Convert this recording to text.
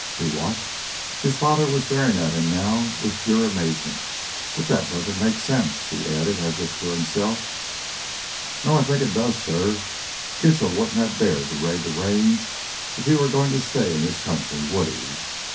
"He what—?" His father was staring at him now with pure amazement. "But that doesn't make sense," he added as if to himself. "No? I think it does, suh. Kitchell wouldn't have dared to raid the Range if he were goin' to stay in this country, would he?